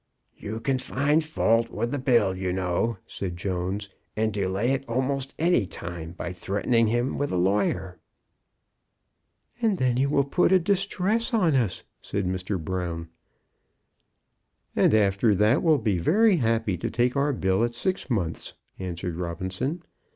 "You can find fault with the bill, you know," said Jones, "and delay it almost any time by threatening him with a lawyer." "And then he will put a distress on us," said Mr. Brown. "And after that will be very happy to take our bill at six months," answered Robinson.